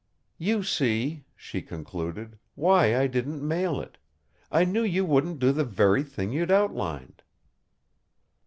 "You see," she concluded, "why I didn't mail it. I knew you wouldn't do the very thing you'd outlined."